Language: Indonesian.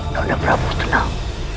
nada prabu tenang